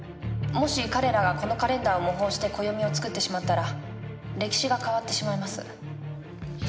もし彼らがこのカレンダーを模倣して暦を作ってしまったら歴史が変わってしまいます。